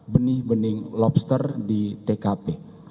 benih benih lobster di tkp